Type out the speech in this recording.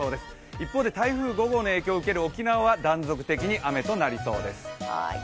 一方で、台風５号の影響を受ける沖縄は断続的に雨となりそうです。